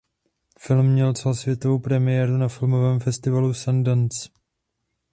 Film měl celosvětovou premiéru na filmovém festivalu Sundance.